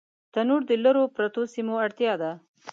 تنور د لرو پرتو سیمو اړتیا ده